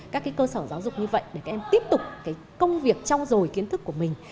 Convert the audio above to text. các cơ sở giáo dục như vậy để các em tiếp tục công việc trao dồi kiến thức của mình